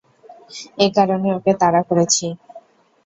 এ কারণে ওকে তাড়া করেছি।